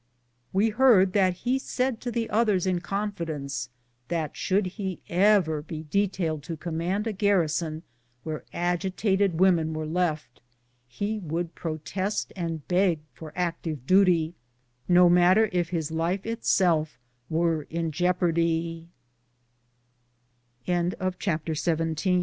We heard that he said to the others in confidence, that should he ever be detailed to command a garrison where agitated women were left, he would protest and beg for active duty, no matter if his life itself were in jeop